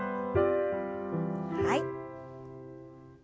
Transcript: はい。